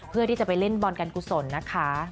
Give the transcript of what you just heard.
เพื่อที่จะไปเล่นบอลการกุศลนะคะ